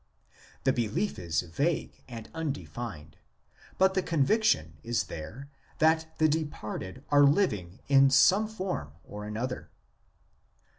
The belief is vague and undefined, but the conviction is there that the departed are living in some form or another.